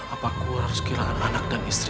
apaku harus kehilangan anak dan istri